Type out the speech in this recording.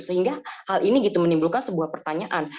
sehingga hal ini gitu menimbulkan sebuah pertanyaan